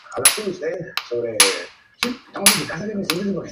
Entre las entrevista realizadas fueron Camilo Sesto, Pandora y Yuri.